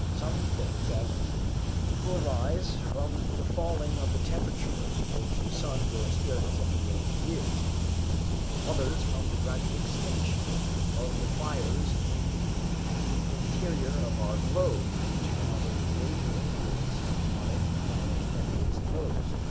Some think that it will arise from the falling of the temperature, which the sun will experience after millions of years; others, from the gradual extinction of the fires in the interior of our globe, which have a greater influence on it than is generally supposed.